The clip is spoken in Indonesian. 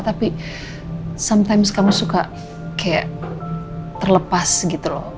tapi sometime kamu suka kayak terlepas gitu loh